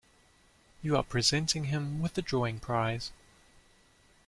You are presenting him with the drawing prize.